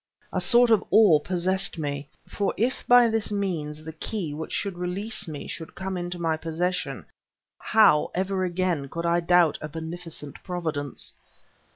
A sort of awe possessed me; for if by this means the key which should release me should come into my possession, how, ever again, could I doubt a beneficent Providence?